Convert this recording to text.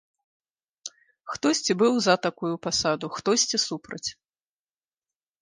Хтосьці быў за такую пасаду, хтосьці супраць.